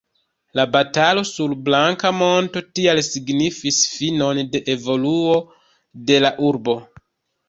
La batalo sur Blanka Monto tial signifis finon de evoluo de la urbo.